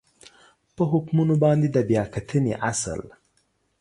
په حکمونو باندې د بیا کتنې اصل